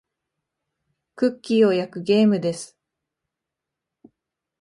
クッキーを焼くゲームです。